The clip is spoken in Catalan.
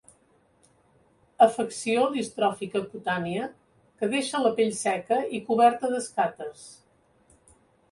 Afecció distròfica cutània que deixa la pell seca i coberta d'escates.